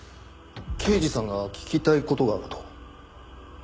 刑事さんが聞きたい事があると。